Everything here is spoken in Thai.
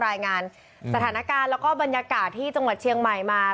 รายงานสถานการณ์แล้วก็บรรยากาศที่จังหวัดเชียงใหม่มา